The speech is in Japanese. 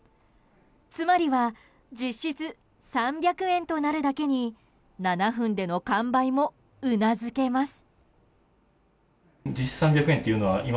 つまりは実質３００円となるだけに７分での完売もうなずけます。